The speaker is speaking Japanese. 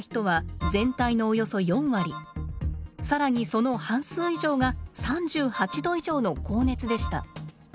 更にその半数以上が３８度以上の高熱でした。